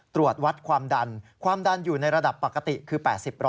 ตรวจวัดความดันความดันอยู่ในระดับปกติคือ๘๐